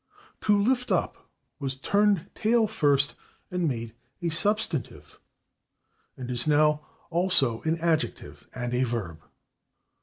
/To lift up/ was turned tail first and made a substantive, and is now also an adjective and a verb.